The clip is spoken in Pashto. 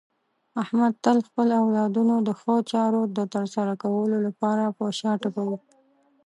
احمد تل خپل اولادونو د ښو چارو د ترسره کولو لپاره په شا ټپوي.